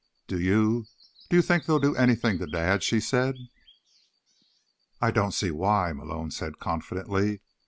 "Do you—do you think they'll do anything to Dad?" she said. "I don't see why," Malone said confidently.